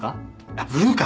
あっブルーか。